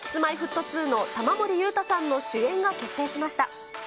Ｋｉｓ−Ｍｙ−Ｆｔ２の玉森裕太さんの主演が決定しました。